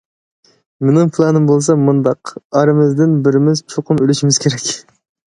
مېنىڭ پىلانىم بولسا مۇنداق: ئارىمىزدىن بىرىمىز چوقۇم ئۆلۈشىمىز كېرەك.